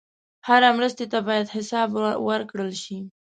هره مرستې ته باید حساب ورکړل شي.